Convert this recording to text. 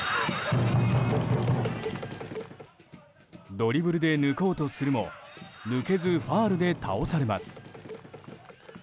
ドリブルで抜こうとするも抜けずファウルで倒されます。